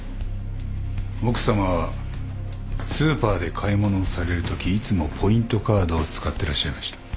奥さまはスーパーで買い物をされるときいつもポイントカードを使ってらっしゃいました。